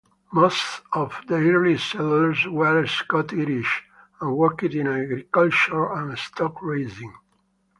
Most of the early settlers were Scots-Irish and worked in agriculture and stock raising.